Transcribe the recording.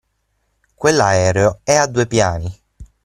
Quell'aereo è a due piani.